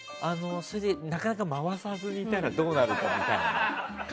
なかなか回さずにいたらどうなるか、みたいな。